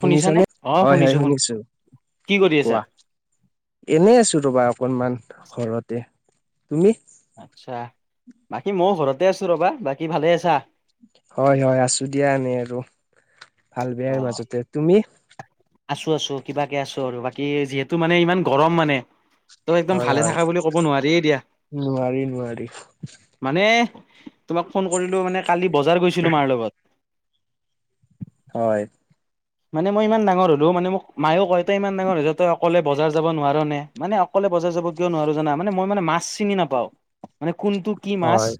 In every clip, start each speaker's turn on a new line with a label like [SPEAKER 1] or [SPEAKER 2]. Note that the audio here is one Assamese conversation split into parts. [SPEAKER 1] শুনিছ
[SPEAKER 2] শুনিছানে?
[SPEAKER 1] নে?
[SPEAKER 2] অ
[SPEAKER 1] হয়, হয়
[SPEAKER 2] শুনিছো শুনিছো।
[SPEAKER 1] শুনিছোঁ,
[SPEAKER 2] কি কৰি আছা?
[SPEAKER 1] কোৱা। এনেই আছো ৰবা অকনমান ঘৰতে। তুমি?
[SPEAKER 2] আচ্ছা। বাকী মইয়ো ঘৰতে আছো ৰবা। বাকী ভালে আছা?
[SPEAKER 1] হয়, হয়। আছোঁ দিয়া আনে আৰু ভাল বেয়াৰ মাজতে। তুমি?
[SPEAKER 2] আছোঁ আছোঁ কিবাকে আছোঁ আৰু বাকী যিহেতু মানে ইমান গৰম মানে। তই একদম
[SPEAKER 1] হয়
[SPEAKER 2] ভালে
[SPEAKER 1] হয়।
[SPEAKER 2] থাকা বুলি কব নোৱাৰিই দিয়া
[SPEAKER 1] নোৱাৰি নোৱাৰি
[SPEAKER 2] মানে তোমাক ফোন কৰিলো মানে কালি বজাৰ গৈছিলো মাৰ লগত
[SPEAKER 1] হয়।
[SPEAKER 2] মানে মই ইমান ডাঙৰ হ'লো মানে মোক মায়েও কয় তই ইমান ডাঙৰ হৈ য তই অকলে বজাৰ যাব নোৱাৰ নে মানে অকলে বজাৰ যাব কিয় নোৱাৰো জানা মানে মই মে মছ চিনি নাপাওঁ মানে কোনটো কি মাছ
[SPEAKER 1] হয়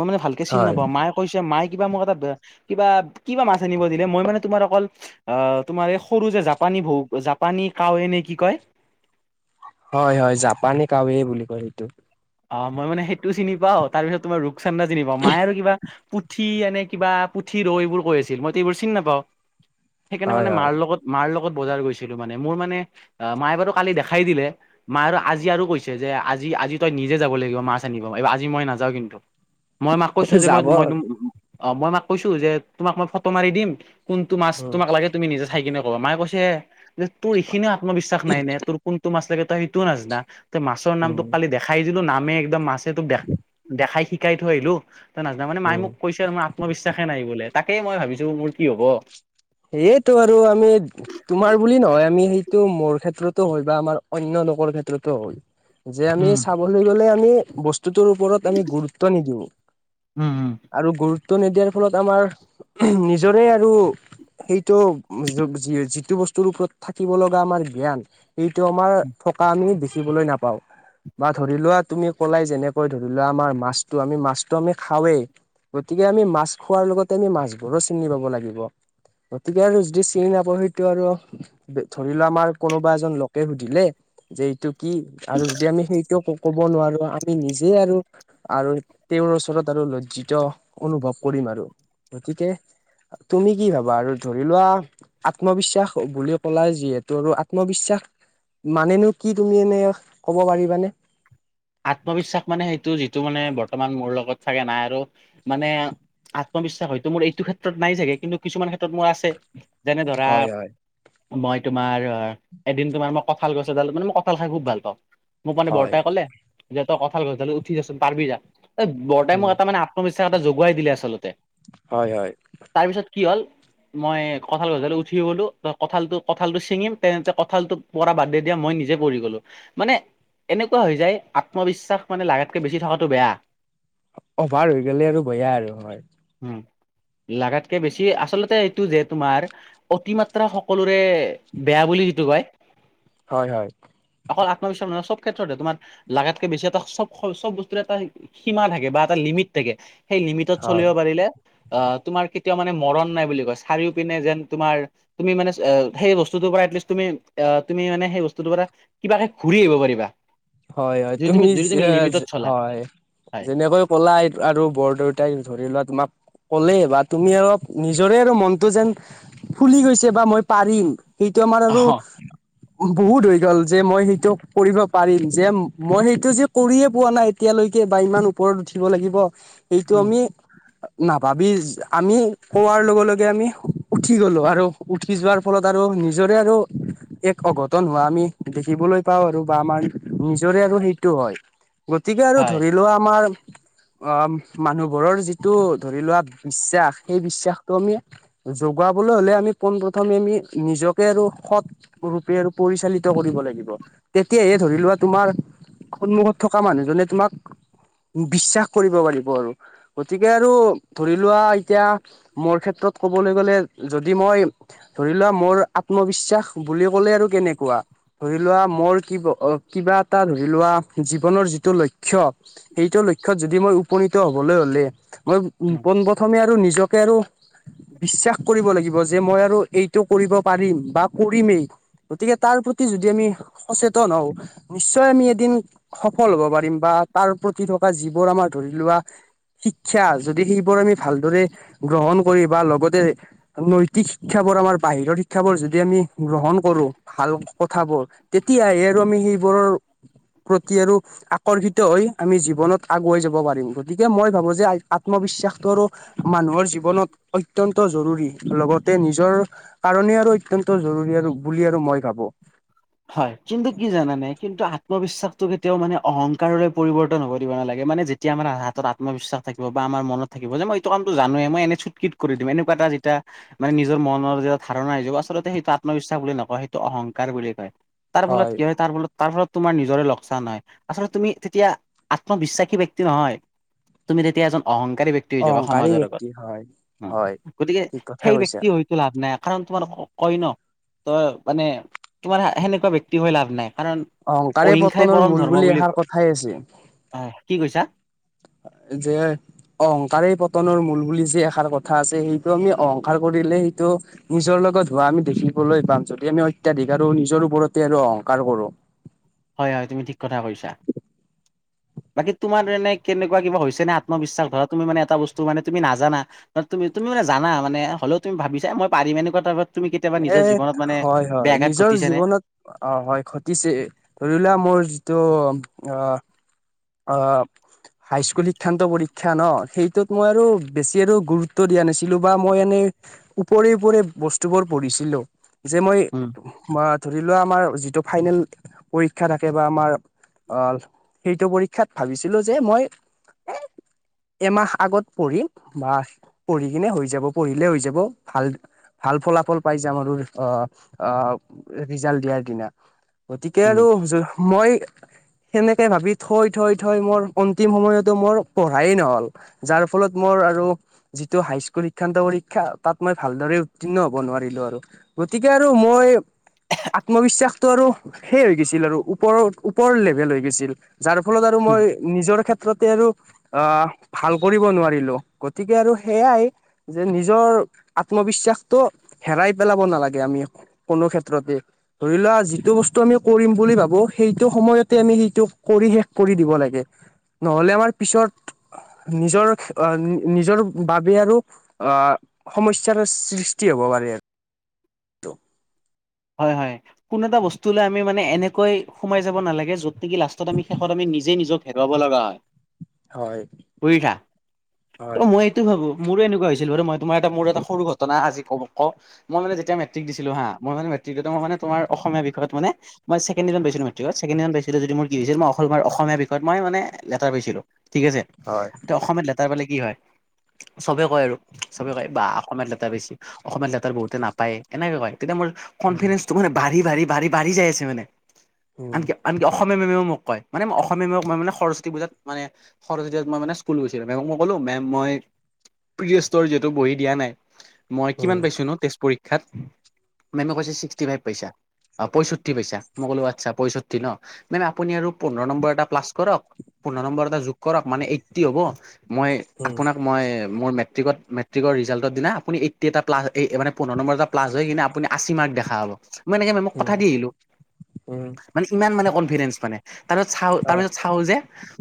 [SPEAKER 2] মই মানে ভালকে চিনি
[SPEAKER 1] হয়
[SPEAKER 2] নাপাওঁ মায়ে কৈছে মায় কিবা মোক এটা কিবা কিবা মাছ আনিব দিলে মই মানে তোমাৰ অকল আহ তোমাৰ এই সৰু যে জাপানী বৌ জাপানী কাৱে নে কি কয়?
[SPEAKER 1] হয় হয় জাপানে কাৱে বুলি কয় সেইটো
[SPEAKER 2] অ', ই মানেেইটোিনি পা তাৰ পিছত তোমাৰ ৰপচান্ন্দা চিনি পা মায়ে আৰু পুঠি এনে কিবা পুঠি ৰৌ এইবোৰ কৈ আছিল মইতো এইবোৰ চিনি নাপাও সেইকাৰণে
[SPEAKER 1] হয়
[SPEAKER 2] মানে
[SPEAKER 1] হয়
[SPEAKER 2] মাৰ লগত মাৰ লগত ব গ মানে মোৰ মানে মায়ে বাৰু কালি দেখাই দিলে মায় আৰু আজি আৰু কৈছে যেজিজি তই নিজে যাব লাগিব মাছ আনিব আজি মই নাযাও কিন্তু মই মাক কৈছো যে মই
[SPEAKER 1] যাব
[SPEAKER 2] মই ত অ', মই মাক কৈছো যে তোমাক মই ফটো মাৰি দিম কোনটো মাছ
[SPEAKER 1] উম
[SPEAKER 2] তোমাক লাগে তুমি নিজা ঠাই কিনে ক'ব মায়ে কৈছে যে তোৰ এইখিনিও আত্মবিশ্বাস নাই নে তোৰ কোনটো মা সেইটো নাজিনা তই মাছৰ নাম
[SPEAKER 1] উম
[SPEAKER 2] তোক কালি দেখাই দিলো নামে একদম মাছে তোক দে দেখাই শ শিকাই থৈ আহিলো ত নাজানা মানে মাই
[SPEAKER 1] উম
[SPEAKER 2] মোক কৈছে আৰু মোৰ আত্মবিশ্বাসে নাই বোলে তাকেই মই ভাবিছো মোৰ কি হব
[SPEAKER 1] সেইয়েতটো আৰু আমি তোমাৰ বুলি নহয় আমি সেইটো মোৰ ক্ষেত্ৰতো হয় বা আমাৰ অয় ম ব
[SPEAKER 2] উম
[SPEAKER 1] বু ওপৰত আমি গুৰুত্ব নিদিওঁ
[SPEAKER 2] উম উম
[SPEAKER 1] আৰু গুৰুত গুৰুত্ব নিদিয়াৰ ফলত আমাৰ নিজৰে আৰু সেইটো যিটো বস্তুৰ ওপৰত থাকিব লগা আমাৰ জ্ঞান এইটো আমাৰ থকা আমি দেখিবলৈ নাপাওঁ বা ধৰি লোৱা তুমি ক'লাই যেনেকৈ ধৰি লোৱা আমাৰ মাছটো আমি মাছটো আমি খাও গতিকে আমি মাছ খোৱাৰ লগতে আমি মাছবোৰো চিনি পাব লাগিব গতিকে আৰু যদি চিনি নাপাওঁ সেইটো আৰু ধৰি লোৱা আমাৰ কোনোবা এজন লোকে সুধিলে যে এইটো কি আৰু যদি আমি সেইটোও ক ক'ব নোৱাৰো আমি নিজে আৰু আৰু তেওঁৰ ওচৰত আৰু লজ্জিত অনুভৱ কৰিম গতিকে তুমি কি ভাবা? আৰু ধৰি লোৱা আত্মবিশ্বাস বুলি কলে যিহেতু আৰু আত্মবিশ্বাস মানেনো কি তুমি এনে ক'ব পাৰিবানে?
[SPEAKER 2] আত্মবিশ্বাস মানে সেইটো যিটো মানে বৰ্তমান মোৰ লগত থাগে নাই আৰু মানে আত্মবিশ্বাস হয়তো মোৰ এইটো ক্ষেত্ৰত নাই চাগে কিন্তু কিছুমান ক্ষেত্ৰত মোৰ আছে যেনে ধৰা
[SPEAKER 1] হয় হয়
[SPEAKER 2] মই তোমাৰ এদিন তোমাৰ মই কঁঠাল গছ এডাল মে মই কঁঠাল খাই খুব ভাল পাওঁ মোক মানে
[SPEAKER 1] হয়
[SPEAKER 2] বৰ্তাই কলে যে তই কঠাল কঠাল উঠি যাচোন পাৰিবি যা এই বৰ্তাই
[SPEAKER 1] উম
[SPEAKER 2] মোক এটা মে আত্ম এটা যগুৱাই দিলে আচলতে
[SPEAKER 1] হয় হয়
[SPEAKER 2] তাৰ পিছত কি হ'ল মই কঁঠাল গছালি উঠি গলো ত কঁঠালটো কঁঠালটো চিঙিম তেনেতে কঁঠালটোোক পৰা বাদ দি দিয়াম মই নিজে পঢ়ি গলো মানে এনেকুৱা হৈ যায় আত্মবিশ্বাস মানে লাগাতকে বেছি থকাাতটো বেয়া
[SPEAKER 1] অভাৰ হৈ গলে আৰু বেয়া আৰু হয়
[SPEAKER 2] উম লাগাতকে বেছি আচলতে এইটো যে তোমাৰ অতিমাত্ৰা সকলোৰে বেয়া বুলি কিটো কাই
[SPEAKER 1] হয় হয়
[SPEAKER 2] অকল আত্মবিশ্বাস নহ চব ক্ষেত্ৰতে তোমাৰ লাগাতকে বেছি এটা চব চব বস্তুৰে এটা সীমা থাকে বা এটা লিমিট থাকে সেই লিমিটত
[SPEAKER 1] হয়
[SPEAKER 2] চলিব পাৰিলে অ', তোমাৰ কেতিয়াও মানে মৰণ নাই বুলি কয় চাৰিও পিনে যেন তোমাৰ তুমি মানে সেই বস্তু তুমি তুমি মানে সেই বস্তুৰ পৰা কিবাকে ঘূৰি আহিব পাৰিবা।
[SPEAKER 1] হয়, হয়
[SPEAKER 2] যদি
[SPEAKER 1] তুমি
[SPEAKER 2] যদি লিমিটত চলা
[SPEAKER 1] হয়।
[SPEAKER 2] হয়
[SPEAKER 1] যেনেকৈ ক'লা আৰু বৰদউতাই ধৰি লোৱা তোমাক ক'লে বা তুমি অলপ নিজৰে আৰু মনটো যেন ফুলি গৈছে বা মই পাৰিম। সেইটো আমাৰ আৰু
[SPEAKER 2] অ
[SPEAKER 1] বহুত হৈ গ'ল যে মই সেইটো কৰিব পাৰিম। যে মই সেইটো যে কৰিয়ে পোৱা নাই এতিয়ালৈকে বা ইমান ওপৰত উঠিব লাগিব। এইটো
[SPEAKER 2] উম
[SPEAKER 1] আমি নাভাবি আমি কোৱাৰ লগে লগে আমি উঠি গ'লোঁ আৰু উঠি যোৱাৰ ফলত আৰু নিজৰে আৰু এক অঘটন হোৱা আমি দেখিবলৈ পাওঁ আৰু বা আমাৰ নিজৰে আৰু সেইটো হয়। গতিকে আৰু
[SPEAKER 2] হয়
[SPEAKER 1] ধৰি লোৱা আমাৰ
[SPEAKER 2] [inaudible]
[SPEAKER 1] অ', মানুহবোৰৰ যিটো ধৰি লোৱা বিশ্বাস সেই বিশ্বাসটো আমি জগাব কবলৈ হ'লে আমি পোন প্ৰথমে আমি নিজকে আৰু সৎ ৰূপে আৰু পৰিচালিত কৰিব লাগিব। তেতিয়াহে ধৰি লোৱা তোমাৰ সন্মুখত থকা মানুহজনে তোমাক বিশ্বাস কৰিব পাৰিব আৰু। গতিকে আৰু ধৰি লোৱা এতিয়া মোৰ ক্ষেত্ৰত কবলৈ গ'লে যদি মই ধৰি লোৱা মোৰ আত্মবিশ্বাস বুলি ক'লে আৰু কেনেকুৱা। ধৰি লোৱা মোৰ কি অ' কিবা এটা ধৰি লোৱা জীৱনৰ যিটো লক্ষ্য সেইটো লক্ষ্যত যদি মই উপনীত হ'বলৈ হ'লে মই
[SPEAKER 2] উম
[SPEAKER 1] পোন প্ৰথমে আৰু নিজকে আৰু বিশ্বাস কৰিব লাগিব যে মই আৰু এইটো কৰিব পাৰিম বা কৰিমেই। গতিকে তাৰ প্ৰতি যদি আমি সচেতন হওঁ। নিশ্চয় আমি এদিন সফল হ'ব পাৰিম বা তাৰ প্ৰতি থকা যিবোৰ আমাৰ ধৰি লোৱা শিক্ষা যদি সেইবোৰ আমি ভালদৰে গ্ৰহণ কৰি বা লগতে নৈতিক শিক্ষা আমাৰ বাহিৰৰ শিক্ষা বোৰ যদি আমি গ্ৰহণ কৰো ভাল কথাবোৰ তেতিয়া আৰু আমি বোৰৰ প্ৰতি আৰু আকৰ্ষিত হৈ আমি জীৱনত আগুৱাই যাব পাৰিম। গতিকে মই ভাবো যে আত্মবিশ্বাসটো আৰু মানুহৰ জীৱনত অত্যন্ত জৰুৰী লগতে নিজৰ কাৰণে আৰু অত্যন্ত জৰুৰী আৰু বুলি আৰু মই ভাবো।
[SPEAKER 2] হয়, কিন্তু কি জানা নে? কিন্তু আত্মবিশ্বাসতটো কেতিয়াও মানে অহংকাৰলৈ পৰিৱৰ্তন হ'ব দিব নালাগে। মানে যেতিয়া আমাৰ হাতত আত্মবিশ্বাস থাকিব বা আমাৰ মনত থাকিব যে মই এইটো কামতো জানোৱে মই এনে চুটকিট কৰি দিম। এনেকুৱা এটা যেতিয়া মানে নিজৰ মনৰ ধাৰণা আহি যাম আচলতে সেইটো আত্মবিশ্বাস বুলি নকয়। সেইটো অহংকাৰ বুলি কয় তাৰ ফলত কি হয় তাৰ ফলত তাৰ ফলত তোমাৰ নিজৰে লোকচান হয়। আচলতে তুমি তেতিয়া আত্মবিশ্বাসী ব্যক্তি নহয়। তুমি তেতিয়া এজন অহংকাৰ ব্যক্তি হৈ যাবা
[SPEAKER 1] অহংকাৰী
[SPEAKER 2] সমাজৰ আগত।
[SPEAKER 1] ব্যক্তি হয় হয়
[SPEAKER 2] গতিকে
[SPEAKER 1] ঠিক কথা
[SPEAKER 2] সেই
[SPEAKER 1] কৈছা
[SPEAKER 2] ব্যক্তি হয়তো লাভ নাই। কাৰণ তোমাৰ কয় ন তই মানে তোমাৰ সেনেকুৱা ব্যক্তি হৈ লাভ নাই। কাৰণ
[SPEAKER 1] অহংকাৰে
[SPEAKER 2] অহিংসাই
[SPEAKER 1] পতনৰ
[SPEAKER 2] পৰম
[SPEAKER 1] মূল
[SPEAKER 2] ধৰ্ম বুলি
[SPEAKER 1] এষাৰ
[SPEAKER 2] কয়।
[SPEAKER 1] কথাই আছে
[SPEAKER 2] অ', কি কৈছা? [inaudible]
[SPEAKER 1] যে অহংকাৰেই পতনৰ মূল বুলি যি এষাৰ কথা আছে সেইটো আমি অহংকাৰ কৰিলেই ত নিজৰ লগত হোৱা আমি দেখিবলৈ পাম যদি আমি অত্যাধিক আৰু নিজৰ ওপৰতে আৰু অহংকাৰ কৰো।
[SPEAKER 2] হয়, হয় তুমি ঠিক কথা কৈছা। বাকী তোমাৰ মানে কেনেকুৱা কিবা হৈছে নে আত্মবিশ্বাস ধৰা তুমি মানে এটা বস্তু মানে তুমি নাজানা তু-তুমি তুলি জানা মানে হ'লেও তুমি ভাবিছা এ মই পাৰিম এনেকুৱা ধৰণৰ
[SPEAKER 1] এ হয়, হয় নিজৰ
[SPEAKER 2] ঘটিছে নে
[SPEAKER 1] জীৱনত অ' হয় ঘটিছে। ধৰি লোৱা মোৰ যিটো আহ আহ হাইস্কুল শিক্ষান্ত পৰীক্ষা ন সেইটোত মই আৰু বেছি আৰু গুৰুত্ব দিয়া নাছিলো বা মই এনে ওপৰে ওপৰে বস্তুবোৰ পঢ়িছিলো যে মই
[SPEAKER 2] উম
[SPEAKER 1] ম ধৰি লোৱা আমাৰ যিটো ফাইনেল পৰীক্ষা থাকে বা আমাৰ অ', সেইটো পৰীক্ষাত ভাবিছিলো যে মই
[SPEAKER 2] [inaudible]
[SPEAKER 1] এমাহ আগত পঢ়ি বা পঢ়ি কিনে হৈ যাব পঢ়িলে হৈ যাব ভাল ভাল ফলাফল পাই যাম আৰু আহ', আহ', ৰিজাল্ট দিয়াৰ দিনা গতিকে আৰু
[SPEAKER 2] উম
[SPEAKER 1] মই সেনেকে ভাবি থৈ-থৈ- থৈ মোৰ অন্তিম সময়তো মোৰ পঢ়াই নহল যাৰ ফলত মোৰ যিটো হাই স্কুল শিক্ষান্ত পৰীক্ষা তাত মই ভালদৰে উত্তীৰ্ণ হ'ব নোৱাৰিম আৰু গতিকে আৰু মই আত্মবিশ্বাসতটো আৰু সেই হৈ গৈছিল আৰু ওপৰত ওপৰ লেভেল হৈ গৈছিল যাৰ ফলত আৰু
[SPEAKER 2] উম,
[SPEAKER 1] মই নিজৰ ক্ষেত্ৰত ক্ষেত্ৰতে আৰু আহ, ভাল কৰিব নোৱাৰিলো গতিকে আৰু সেইয়াই যে নিজৰ আত্মবিশ্বাসটো হেৰাই পেলাব নালাগে আমি কোনো ক্ষেত্ৰতে ধৰি লোৱা যিটো বস্তু আমি কৰিম বুলি ভাবো সেইটো সময়তে আমি সেইটো কৰি শেষ কৰি দিব লাগে নহলে আমাৰ পিছত নিজৰ-নিজৰ বাবে আৰু আহ, সমস্যাৰ সৃষ্টি হ'ব পাৰে আৰু
[SPEAKER 2] হয়-হয় কোনো এটা বস্তু ল আমি মানে এনেকৈ সোমাই যাব নালাগে যত নেকি লাষ্টত আমি, শেষত আমি নিজে নিজক হেৰুৱাব লগা হয়
[SPEAKER 1] হয়
[SPEAKER 2] ফুঠা ত
[SPEAKER 1] হয়
[SPEAKER 2] মই এইটো ভাবো মোৰো এনেকুৱা হৈছিল বাৰু মই তোমাৰ মোৰ এ সৰু ঘটনা আজি ক কও মই মানে যেতিয়া মেট্ৰিক দিছিলো হা মই ম [unintelligible] তোমাৰ অসমীয়া বিষয়ত মানে মই চেকেণ্ড ডিভিজন পাইছিলো মেট্ৰিকত যদি মোৰ কি হৈছিল মই অসমীয়া বিষয় মই মানে লেটাৰ পাইছিলো ঠিক আছে
[SPEAKER 1] হয়
[SPEAKER 2] এতিয়া অসমীয়াত লেটাৰ পালে কি হয় চবে কয় আৰু চবে কয় বাঃ অসমীয়াত লেটাৰ অসমীয়া লেটাৰ বহুতে নাপায় এনেকে কয় তেতিয়া মোৰ কনফিডেঞ্চটো মানে বাঢ়ি-বাঢ়ি বাঢ়ি-বাঢ়ি যাই আছে মানে
[SPEAKER 1] উম
[SPEAKER 2] আনকি- আনকি অ [unintelligible] ম মই, পি বহি দিয়া নাই মই
[SPEAKER 1] উম,
[SPEAKER 2] কিমান পাইছো ন েষ্ট পৰীক্ষাত? মেমে কৈছে ছিক্সটি ফাইভ পইচা। অ পয়ষষ্ঠি পইচা মই ক'ো আচ্ছা পয়ষষ্ঠি ন, মেম আপুনি আৰু পোন্ধৰ নম্বৰ এটা প্লাছ কৰক। পোন্ধৰ নম্বৰ এটা য়োগ কৰক। মানে এইটটি হ'ব। মই
[SPEAKER 1] উম,
[SPEAKER 2] আপোনাক মই মোৰ মেটিকত মেট্ৰিক ৰিজাল্ৰ দিনা আপু এইটি এটা্লাছ মান পোন্ধৰম্বৰ এটা্লাছ কিনে আপুনি আশী মাৰ্কখ দেখাব। মই এনেকে মোক
[SPEAKER 1] উম,
[SPEAKER 2] কথা দি আহিলো,
[SPEAKER 1] উম,
[SPEAKER 2] মানে ইমান মানে কনফিডেন্ঞ্চ মানে তাৰপিছত চাউল যে,
[SPEAKER 1] হয়,
[SPEAKER 2] তাৰপিছত চাওল যে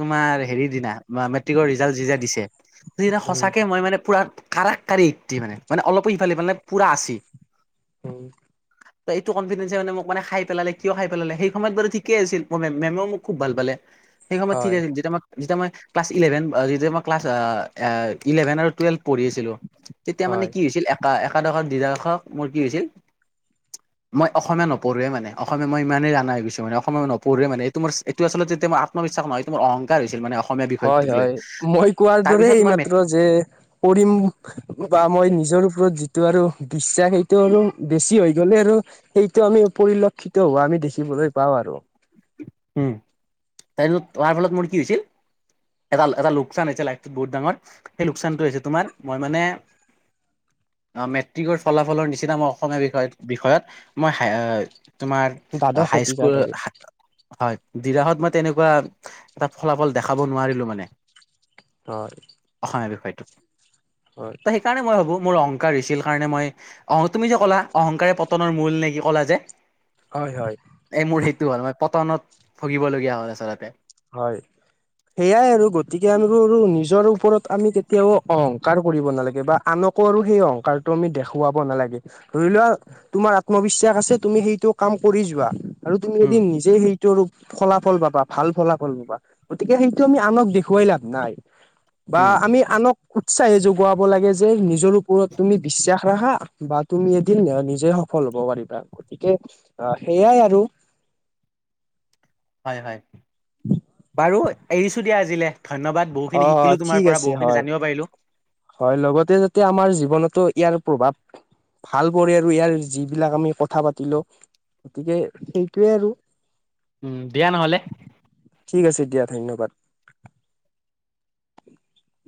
[SPEAKER 2] তোমাৰ হেৰি দিনা বা মেট্ৰিকৰ ৰিজাল্ট যিতিয়া দিছে, যি দিনা
[SPEAKER 1] উম,
[SPEAKER 2] সঁচাকে মই মানে পুৰা [unintelligible] মানে মানে অলপো সিফালে মানে পুৰা আছী
[SPEAKER 1] উম,
[SPEAKER 2] ত এইটো কনফিডেঞ্চে মানে মোক মান খাইেলালে কিয় খাই পেলালে সেই সময়ত বাৰু ঠিকেই আছিল ম মেমেওোক খুব ভাল পালে। সেই সময়তঠিক
[SPEAKER 1] হয়,
[SPEAKER 2] আছিল, যেতিয়া মান যেতিয়া মই ক্লাছ ইলেভেন। যেতিয়া মই ক্লাছ ইলেভেন আৰু টুৱেল্ভ পঢ়ি ছিলোঁ। তেতিয়া মানে
[SPEAKER 1] হয়,
[SPEAKER 2] কি হৈছিল, এ একাদশৰ দুডখ মোৰ কি হৈছিল। মই অসমীয়া নপঢ়োৱে মানে অসমীয়া মই মই অসমীয়া নপঢ়ো মানেই, অসমীয়া জানা হৈ গৈছো মানে, অসমীয়া নপঢ়োৱে মানে এইটো মোৰ এইটো আচলতেয়া মই আ্ম বিশ্বাস নহয়টো। মোৰ অংকাৰ হৈছিল মানে অসমীয়া
[SPEAKER 1] হয়
[SPEAKER 2] বিষয়টোক লৈ
[SPEAKER 1] হয় মই কোৱাৰ দৰে
[SPEAKER 2] তাৰপিছত মই মেট
[SPEAKER 1] এইমাত্ৰ যে কৰিম বা মই নিজৰ ওপৰত যিটো আৰু বিশ্বাস সেইটো আৰু বেছি হয়। গলে আৰু সেইটো আমি পৰিলক্ষিত হোৱা আমি দেখিবলৈ পাওঁ। আৰু
[SPEAKER 2] উম, তাৰ ফলত মোৰ কি হৈছিল? এটা এটা লোকচান হৈছে। লাইফটোত বহুত ডাঙৰ সেই লোকচানটো হৈছে তোমাৰ। মই মানে মেট্ৰিকৰ ফলাফলৰ নিচিনা মই অসমীয়া বিষয় বিষয়ত মই হাই তোমাৰ
[SPEAKER 1] দ্বাদশ শতিকাত
[SPEAKER 2] হাইস্কুল
[SPEAKER 1] আৰু
[SPEAKER 2] হয়ৰাত। হয় তেনেকুৱা এটা ফলাফল দেখাব নোৱাৰিলো মানে,
[SPEAKER 1] হয়,
[SPEAKER 2] অসমীয়া বিষয়ত
[SPEAKER 1] হয়,
[SPEAKER 2] ত সেইকাৰণে মই ভাবো। মোৰ অহংকাৰ হৈছিল কাৰণে, মই অ তুমি যে ক'লা অহংকাৰে পতনৰ মূল নেকি ক'লা যে
[SPEAKER 1] হয়, হয়।
[SPEAKER 2] হয়, হয় মই পতনত ভগিবলগীয়া হ'ল। আচলতে
[SPEAKER 1] হয়। সেয়াই আৰু গতিকে আমি আৰু নিজৰ ওপৰত আমি তেতিয়াও অহংকাৰ কৰিব নালাগে। বা আনকো আৰু সেই অহংকাৰটো আমি দেখুৱাব নালাগে ধৰি লোৱা, তোমাৰ আত্মবিশ্বাস আছে তুমি সেইটো কাম কৰি যোৱা। আৰু তুমি যদি
[SPEAKER 2] উম
[SPEAKER 1] নিজে সেইটো আৰু ফলাফল পাবা। ভাল ফলাফল া গতিকে সেইটো আমি আনক দেখুৱাই লাভ নাই। বা
[SPEAKER 2] উম
[SPEAKER 1] আমি আনক উৎসাহে যোগোৱাব লাগে, যে নিজৰ ওপৰত তুমি বিশ্বাস ৰাখা। বা তুমি এদিন নিজে সফল হ'ব পাৰিবা। গতিকে অ সেইয়াই আৰু
[SPEAKER 2] হয়, হয় বাৰু এৰিছো দিয়া আজিলে। ধন্যবাদ।
[SPEAKER 1] অ
[SPEAKER 2] বহুখিনি শিকিলো তোমাৰ
[SPEAKER 1] ঠিক
[SPEAKER 2] পৰা,
[SPEAKER 1] আছে
[SPEAKER 2] বহুখিনি
[SPEAKER 1] হয়
[SPEAKER 2] জানিব পাৰিলো।
[SPEAKER 1] হয়। লগতে যাতে আমাৰ জীৱনতো ইয়াৰ প্ৰভাৱ ভাল পৰে আৰু ইয়াৰ যিবিলাক আমি কথা পাতিলো। গতিকে, সেইটোৱে আৰু
[SPEAKER 2] দিয়া নহলে।
[SPEAKER 1] ঠিক আছে দিয়া ধন্যবাদ। [unintelligible]